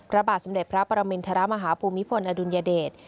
พระบาทสมเด็จพระปรมินทรมาฮภูมิพลอดุลยเดช